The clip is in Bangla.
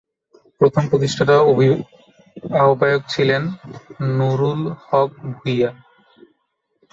প্রথম প্রতিষ্ঠাতা আহ্বায়ক ছিলেন নূরুল হক ভূঁইয়া।